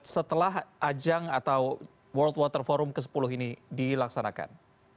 setelah ajang atau world water forum ke sepuluh ini dilaksanakan